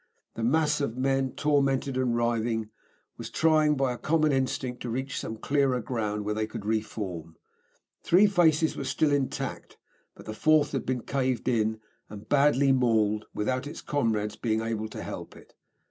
The mass of men, tormented and writhing, was trying, by a common instinct, to reach some clearer ground where they could re form. Three faces were still intact, but the fourth had been caved in, and badly mauled, without its comrades being able to help it.